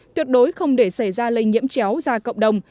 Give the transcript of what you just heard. tuyệt đối không để xảy ra lây nhiễm chéo ra cộng đồng